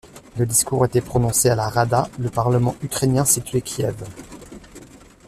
Le discours a été prononcé à la Rada, le parlement ukrainien situé Kiev.